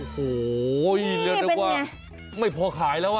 โอ้โหนี่เป็นยังไงไม่พอขายแล้วอ่ะ